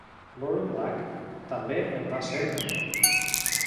Lori Black també en va ser membre.